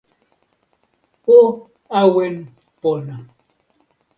o awen pona!